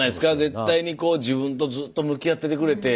絶対に自分とずっと向き合っててくれて。